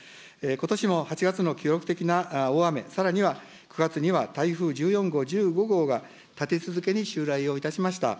ことしの８月の記録的な大雨、さらには９月には台風１４号、１５号が立て続けに襲来をいたしました。